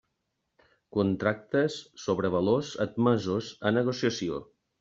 Contractes sobre valors admesos a negociació.